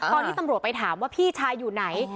ตอนที่ตำรวจไปถามว่าพี่ชายอยู่ไหน